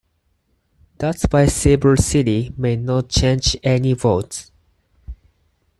That's why "Silver City" may not change any votes.